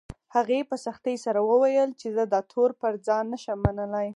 هغې په سختۍ سره وويل چې زه دا تور پر ځان نه شم منلی